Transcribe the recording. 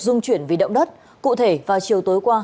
dung chuyển vì động đất cụ thể vào chiều tối qua